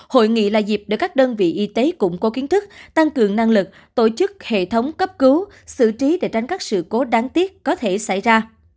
hội nghị là dịp để các đơn vị y tế củng cố kiến thức tăng cường năng lực tổ chức hệ thống cấp cứu xử trí để tránh các sự cố đáng tiếc có thể xảy ra